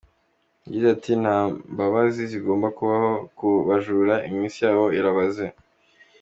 Yagize ati “Nta mbabazi zigomba kubaho ku bajura; iminsi yabo irabaze.